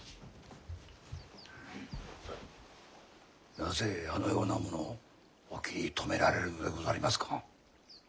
なぜあのような者をお気に留められるのでござりますか？